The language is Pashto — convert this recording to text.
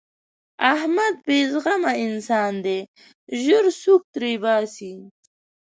احمد بې زغمه انسان دی؛ ژر سوک تر باسي.